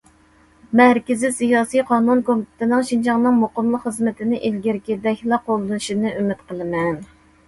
مەركىزىي سىياسىي- قانۇن كومىتېتىنىڭ شىنجاڭنىڭ مۇقىملىق خىزمىتىنى ئىلگىرىكىدەكلا قوللىشىنى ئۈمىد قىلىمەن.